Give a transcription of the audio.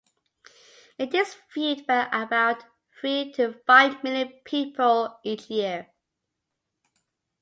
It is viewed by about three to five million people each year.